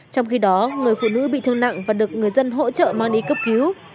trong khi đó người phụ nữ bị thương nặng và được người dân hỗ trợ mang đi cấp cứu